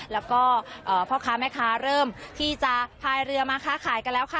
แล้วก็พ่อค้าแม่ค้าเริ่มที่จะพายเรือมาค้าขายกันแล้วค่ะ